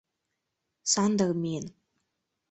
Сандыр миен.